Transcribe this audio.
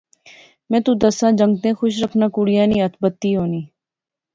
میں تو دساں جنگتے خوش رکھنا کڑیا نی ہتھ بتی ہونی